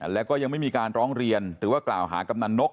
แล้วก็ยังไม่มีการร้องเรียนหรือว่ากล่าวหากำนันนก